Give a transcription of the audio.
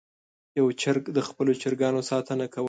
یو چرګ د خپلو چرګانو ساتنه کوله.